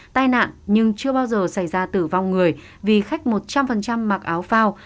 tai nạn nhưng chưa bao giờ xảy ra tử vong người vì khách một trăm linh mặc áo phao